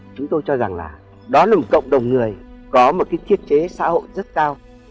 chúng tôi cho rằng là đó là một cộng đồng người có một cái thiết chế xã hội rất cao